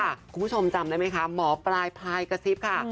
คุณผู้ชมจำได้ไหมคะหมอปลายพายกระซิบค่ะ